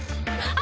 あ。